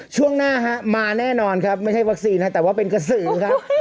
ช่วงหน้าฮะมาแน่นอนครับไม่ใช่วัคซีนแต่ว่าเป็นกระสือครับ